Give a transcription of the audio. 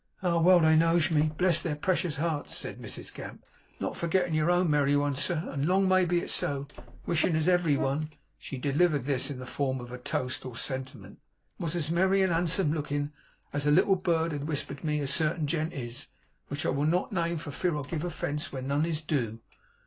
'Ah! Well they knows me, bless their precious hearts!' said Mrs Gamp, 'not forgettin' your own merry one, sir, and long may it be so! Wishin' as every one' (she delivered this in the form of a toast or sentiment) 'was as merry, and as handsome lookin', as a little bird has whispered me a certain gent is, which I will not name for fear I give offence where none is doo!